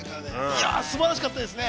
いや、すばらしかったですね。